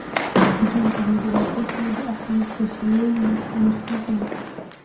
جون په مدرسه کې د اهل تشیع مرکز و